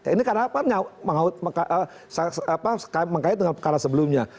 ini karena mengait dengan perkara sebelumnya